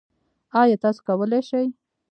ایا تاسو کولی شئ؟